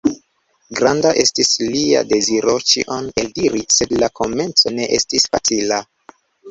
Granda estis lia deziro ĉion eldiri, sed la komenco ne estis facila!